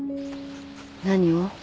何を？